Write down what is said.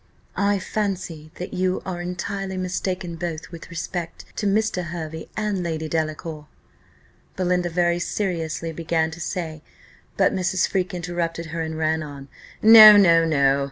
"I fancy that you are entirely mistaken both with respect to Mr. Hervey and Lady Delacour," Belinda very seriously began to say. But Mrs. Freke interrupted her, and ran on; "No! no! no!